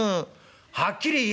「はっきり言え」。